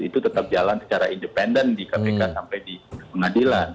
itu tetap jalan secara independen di kpk sampai di pengadilan